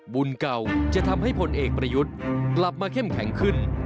บุญเก่าจะทำให้พลเอกประยุทธ์กลับมาเข้มแข็งขึ้น